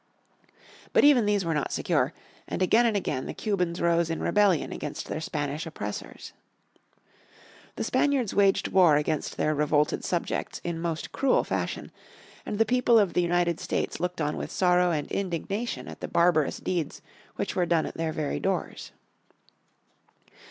But even these were not secure, and again and again the Cubans rose in rebellion against their Spanish oppressors. The Spaniards waged war against their revolted subjects in most cruel fashion, and the people of the United States looked on with sorrow and indignation at the barbarous deeds which were done at their very doors.